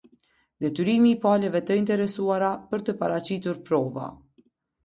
Detyrimi i palëve të interesuara për të paraqitur prova.